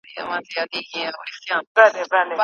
استازو به د ځنګلونو د ساتنې طرحه تصويب کړي وي.